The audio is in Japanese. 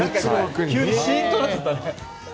急にシーンとなっちゃった。